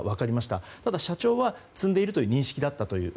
ただ、社長は積んでいるという認識だったという。